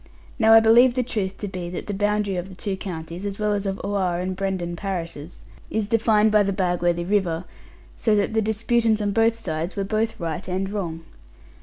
Now I believe the truth to be that the boundary of the two counties, as well as of Oare and Brendon parishes, is defined by the Bagworthy river; so that the disputants on both sides were both right and wrong.